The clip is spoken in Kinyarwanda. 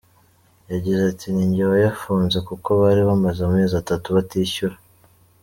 Yagize ati:” Ni njye wayafunze kuko bari bamaze amezi atatu batishyura.